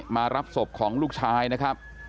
มารับศพของลูกชายนะครับ